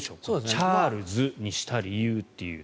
チャールズにした理由っていう。